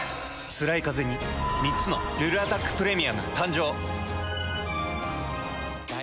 つらいカゼに３つの「ルルアタックプレミアム」誕生。